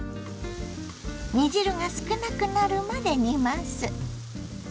煮汁が少なくなるまで煮ます。